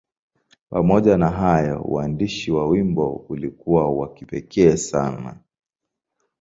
Pamoja na hayo, uandishi wa wimbo ulikuwa wa kipekee sana.